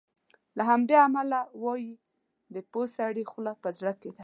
له همدې امله وایي د پوه سړي خوله په زړه کې ده.